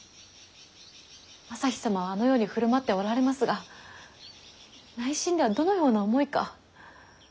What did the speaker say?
旭様はあのように振る舞っておられますが内心ではどのような思いか。